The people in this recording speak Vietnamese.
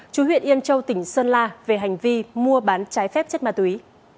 chú huyện yên châu tỉnh sơn la về hành vi mua bán trái phép chất ma túy